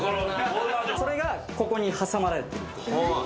それがここに挟まれてる。